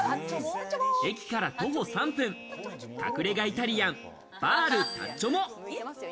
駅から徒歩３分、隠れ家イタリアン、バールタッチョモ。